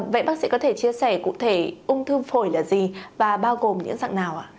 vậy bác sĩ có thể chia sẻ cụ thể ung thư phổi là gì và bao gồm những dạng nào ạ